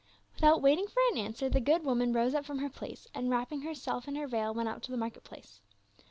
Without waiting for an answer the good woman rose up from her place and wrapping herself in her veil went out to the market place.